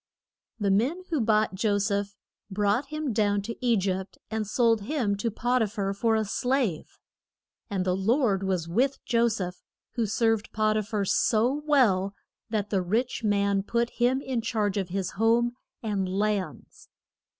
The men who bought Jo seph brought him down to E gypt and sold him to Pot i phar for a slave. And the Lord was with Jo seph, who served Pot i phar so well, that the rich man put him in charge of his home and lands.